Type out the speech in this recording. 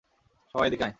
সবাই এদিকে আয়।